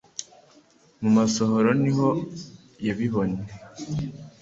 mu masohoro niho yabibonye